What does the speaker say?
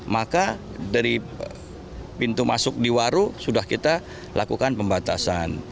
maka dari pintu masuk di waru sudah kita lakukan pembatasan